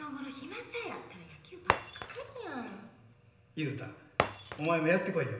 雄太お前もやってこいよ。